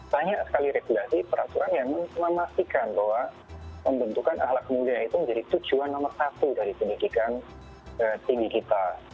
banyak sekali regulasi peraturan yang memastikan bahwa pembentukan ahlak mulia itu menjadi tujuan nomor satu dari pendidikan tinggi kita